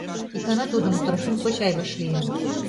Икана тудым Трофим кочай вашлийын.